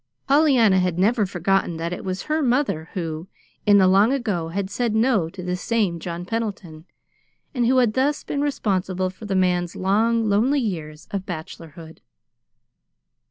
Pollyanna had never forgotten that it was her mother who, in the long ago, had said no to this same John Pendleton, and who had thus been responsible for the man's long, lonely years of bachelorhood.